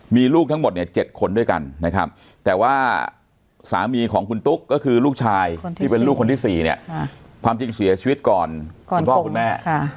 มีลูกทั้งหมดเนี่ย๗คนด้วยกันนะครับแต่ว่าสามีของคุณตุ๊กก็คือลูกชายที่เป็นลูกคนที่๔เนี่ยความจริงเสียชีวิตก่อนคุณพ่อคุณแม่